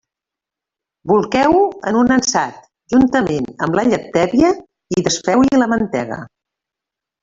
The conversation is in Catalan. Bolqueu-ho en un ansat, juntament amb la llet tèbia i desfeu-hi la mantega.